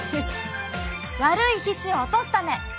「悪い皮脂を落とすため」。